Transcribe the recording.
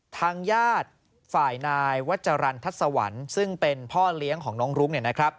ทางญาติฝ่ายนายวัจจรรย์ทัศวรรค์ซึ่งเป็นพ่อเลี้ยงของน้องรุ้ง